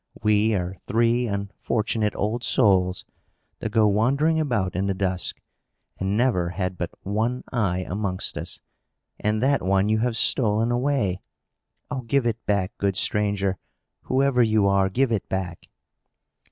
We are three unfortunate old souls, that go wandering about in the dusk, and never had but one eye amongst us, and that one you have stolen away. Oh, give it back, good stranger! whoever you are, give it back!"